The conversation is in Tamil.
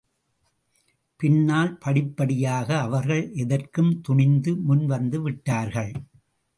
பின்னால் படிப்படியாக அவர்கள் எதற்கும்.துணிந்து முன்வந்து விட்டார்கள்.